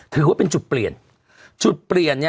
ถือว่าเป็นจุดเปลี่ยนจุดเปลี่ยนเนี่ย